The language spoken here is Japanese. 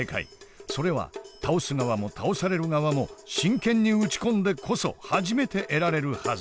それは倒す側も倒される側も真剣に打ち込んでこそ初めて得られるはず。